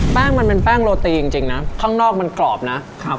แป้งมันเป็นแป้งโรตีจริงนะข้างนอกมันกรอบนะครับ